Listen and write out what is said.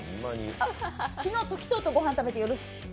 昨日、時東とご飯を食べて。